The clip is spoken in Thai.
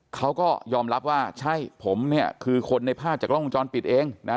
เขาก็ยอมรับว่าใช่ผมเนี่ยคือคนในภาพจากกล้องวงจรปิดเองนะ